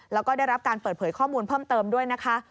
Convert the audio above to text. แล้วก็ได้รับการเปิดเผยข้อมูลเพิ่มเติมด้วยนะคะ